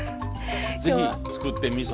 ぜひ作ってみそ。